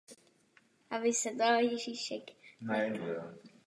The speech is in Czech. V souladu s tím byly značky a výrobky rozděleny na dva směry.